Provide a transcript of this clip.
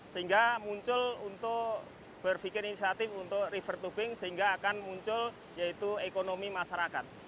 sehingga muncul untuk berpikir inisiatif untuk river tubing sehingga akan muncul yaitu ekonomi masyarakat